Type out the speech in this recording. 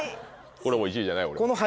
これもう１位じゃない？